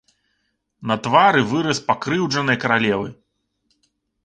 На твары выраз пакрыўджанай каралевы.